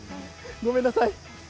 ごめんなさい。